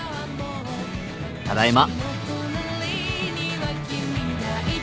ただいま。